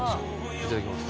いただきます。